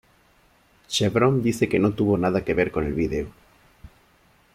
Chevron dice que no tuvo nada que ver con el video.